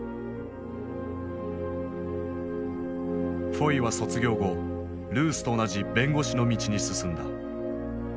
フォイは卒業後ルースと同じ弁護士の道に進んだ。